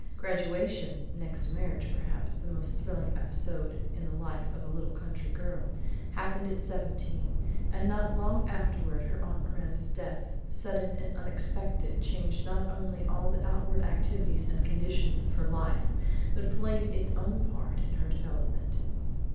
Graduation (next to marriage, perhaps, the most thrilling episode in the life of a little country girl) happened at seventeen, and not long afterward her Aunt Miranda's death, sudden and unexpected, changed not only all the outward activities and conditions of her life, but played its own part in her development.